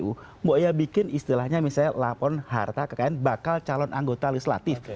mungkin bikin istilahnya misalnya laporan harta kekayaan bakal calon anggota legislatif